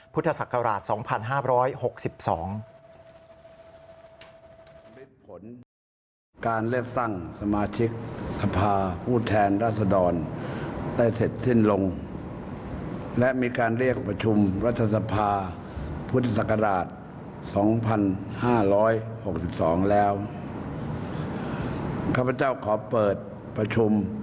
พุทธศักราช๒๕๖๒